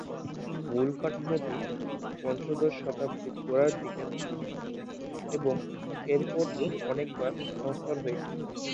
মূল কাঠামোটি পঞ্চদশ শতাব্দীর গোড়ার দিকে প্রতিষ্ঠিত এবং এর পর থেকে অনেকবার সংস্কার হয়েছিল।